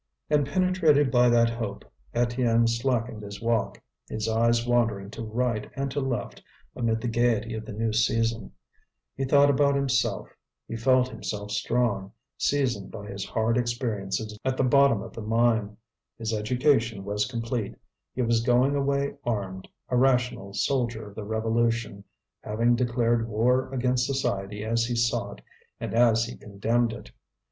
And penetrated by that hope, Étienne slackened his walk, his eyes wandering to right and to left amid the gaiety of the new season. He thought about himself, he felt himself strong, seasoned by his hard experiences at the bottom of the mine. His education was complete, he was going away armed, a rational soldier of the revolution, having declared war against society as he saw it and as he condemned it.